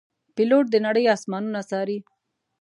پیلوټ د نړۍ آسمانونه څاري.